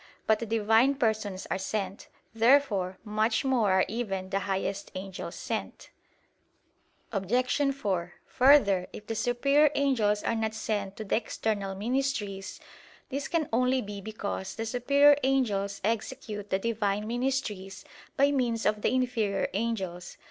But the Divine Persons are sent. Therefore much more are even the highest angels sent. Obj. 4: Further, if the superior angels are not sent to the external ministries, this can only be because the superior angels execute the Divine ministries by means of the inferior angels.